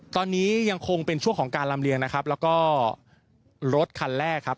ตอนนี้ยังคงเป็นช่วงของการลำเลียงนะครับแล้วก็รถคันแรกครับ